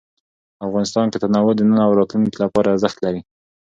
افغانستان کې تنوع د نن او راتلونکي لپاره ارزښت لري.